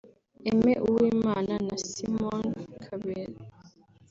Aime Uwimana na Simon Kabera